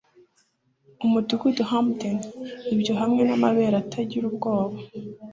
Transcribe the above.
Umudugudu-Hampden, ibyo hamwe namabere atagira ubwoba